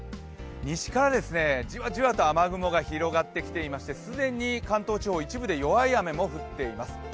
西からじわじわと雨雲が広がってきておりまして既に関東地方、一部で弱い雨も降っています。